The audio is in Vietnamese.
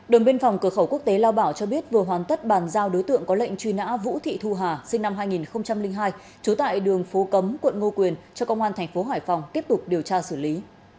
đồn biên phòng cửa khẩu quốc tế lao bảo cho biết vừa hoàn tất bàn giao đối tượng có lệnh truy nã vũ thị thu hà sinh năm hai nghìn hai trú tại đường phố cấm quận ngô quyền cho công an thành phố hải phòng tiếp tục điều tra xử lý